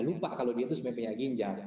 lupa kalau dia itu sebenarnya punya ginjal